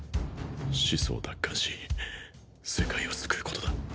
始祖を奪還し世界を救うことだ。